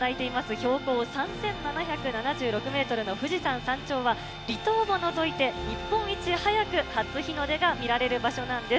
標高３７７６メートルの富士山山頂は、離島を除いて日本一早く初日の出が見られる場所なんです。